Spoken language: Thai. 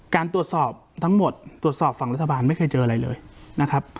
การตรวจสอบทั้งหมดตรวจสอบฝั่งรัฐบาลไม่เคยเจออะไรเลยนะครับ